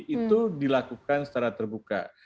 itu dilakukan secara terbuka